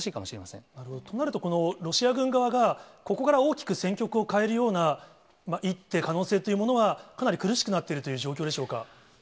となると、ロシア軍側が、ここから大きく戦局を変えるような、一手、可能性というものは、かなり苦しくなっているという状況でしょうか。